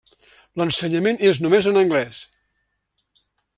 L'ensenyament és només en anglès.